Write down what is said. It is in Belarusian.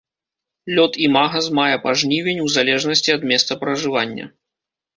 Лёт імага з мая па жнівень у залежнасці ад месцапражывання.